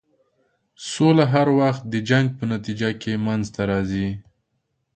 سوله هر وخت د جنګ په نتیجه کې منځته راځي.